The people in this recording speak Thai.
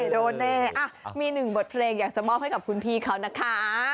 โดนแน่มีหนึ่งบทเพลงอยากจะมอบให้กับคุณพี่เขานะคะ